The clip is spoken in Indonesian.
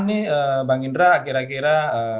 ini bang indra kira kira